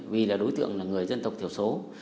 vì là đối tượng là người dân tộc thiểu số